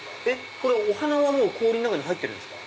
お花氷の中に入ってるんですか？